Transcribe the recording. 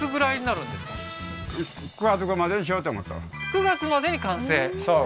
９月までに完成？